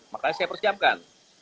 makanya saya persiapkan